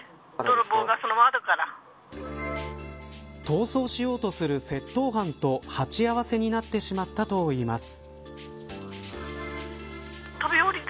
逃走しようとする窃盗犯と鉢合わせになってしまったといいます。